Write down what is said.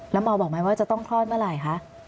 แล้วหมอบอกไหมว่าจะต้องคลอดเมื่อไหร่คะ